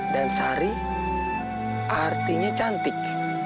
dan sari artinya cantik